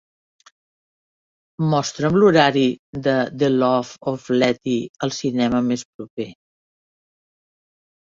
mostra'm l'horari de The Loves of Letty al cinema més proper